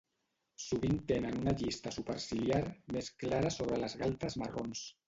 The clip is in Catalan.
Sovint tenen una llista superciliar més clara sobre les galtes marrons.